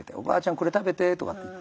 これ食べてとかって。